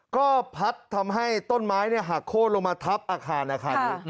ก็พัดทำให้ต้นไม้หักโค้นลงมาทับอาคารอาคารนี้